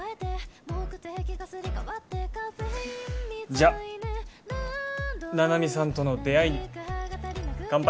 じゃあ菜々美さんとの出会いに乾杯！